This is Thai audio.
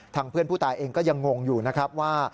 เพื่อนผู้ตายเองก็ยังงงอยู่นะครับว่า